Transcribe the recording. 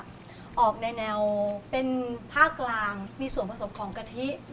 ของแม่ก็จะออกในแนวเป็นผ้ากลางมีส่วนผสมของกะทิ